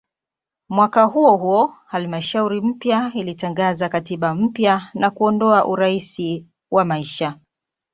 Mwaka huohuo halmashauri mpya ilitangaza katiba mpya na kuondoa "urais wa maisha".